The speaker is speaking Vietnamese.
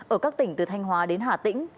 ở các tỉnh từ thanh hóa đến hà tĩnh